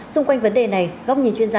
xung quanh vấn đề này góc nhìn chuyên gia